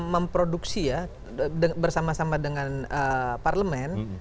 memproduksi ya bersama sama dengan parlemen